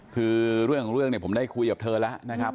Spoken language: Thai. คือเรื่องของเรื่องเนี่ยผมได้คุยกับเธอแล้วนะครับ